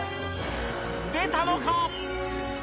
出たのか？